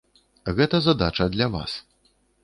Гэта задача для вас.